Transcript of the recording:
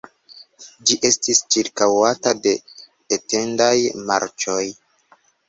Ĝi estis ĉirkaŭata de etendaj marĉoj.